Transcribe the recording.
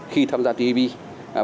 khi tham gia tpp